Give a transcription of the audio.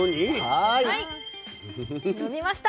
はい伸びました。